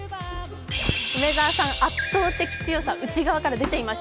梅澤さん、圧倒的強さ、内側から出ていました。